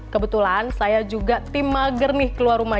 kebetulan saya juga tim mager nih keluar rumah